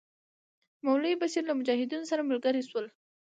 مولوی بشیر له مجاهدینو سره ملګري شول.